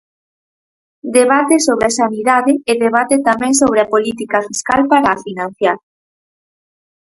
Debate sobre a sanidade e debate tamén sobre a política fiscal para a financiar.